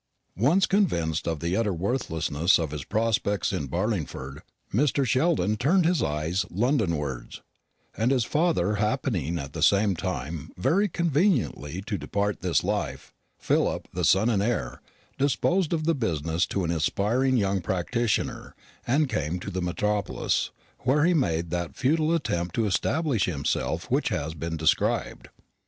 Once convinced of the utter worthlessness of his prospects in Barlingford, Mr. Sheldon turned his eyes Londonwards; and his father happening at the same time very conveniently to depart this life, Philip, the son and heir, disposed of the business to an aspiring young practitioner, and came to the metropolis, where he made that futile attempt to establish himself which has been described.